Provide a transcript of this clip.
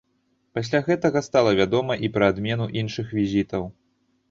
Пасля гэтага стала вядома і пра адмену іншых візітаў.